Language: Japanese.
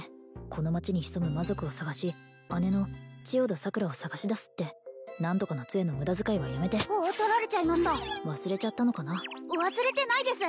この町に潜む魔族を探し姉の千代田桜を捜し出すって何とかの杖のムダ遣いはやめてああ取られちゃいました忘れちゃったのかな忘れてないです